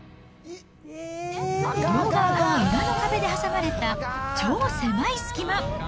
両側を岩の壁で挟まれた超狭い隙間。